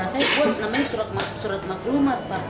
saya buat namanya surat maklumat pak